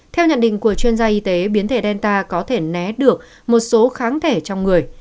theo nhận định của chuyên gia y tế biến thể delta có thể né được một số kháng thể trong người